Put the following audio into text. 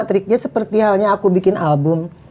triknya seperti halnya aku bikin album